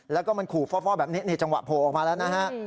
แล้วก็มันขู่ฟ่อแบบนี้นี่จังหวะโผล่ออกมาแล้วนะฮะ